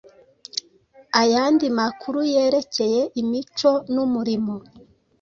ayandi makuru yerekeye imico n’umurimo